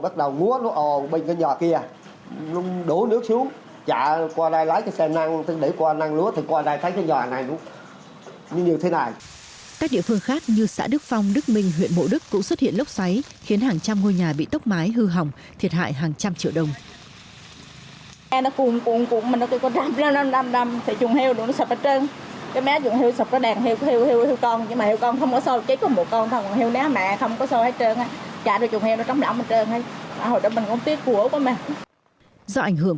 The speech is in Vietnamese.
các địa phương khác như xã đức phong đức minh huyện mộ đức cũng xuất hiện lốc xoáy khiến hàng trăm ngôi nhà bị tốc mái hư hỏng thiệt hại hàng trăm triệu đồng